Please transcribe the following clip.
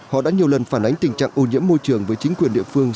họ đã nhiều lần phản ánh tình trạng ô nhiễm môi trường với chính quyền địa phương